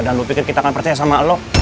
dan lu pikir kita akan percaya sama elok